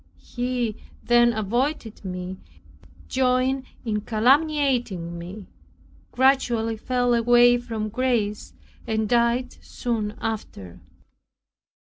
He then avoided me, joined in calumniating me, gradually fell away from grace, and died soon after.